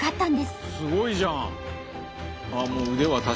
すごいじゃん！